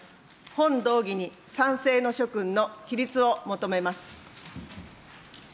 本動議に賛成の諸君の起立を求めます。